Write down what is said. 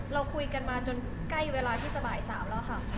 เราคุยกันมาจนใกล้เวลาที่จะบ่าย๓แล้วค่ะ